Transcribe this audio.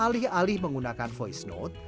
alih alih menggunakan voice note